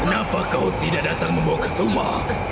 kenapa kau tidak datang membawa kusuma